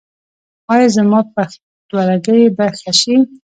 ایا زما پښتورګي به ښه شي؟